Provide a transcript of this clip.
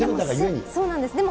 もう、そうなんです。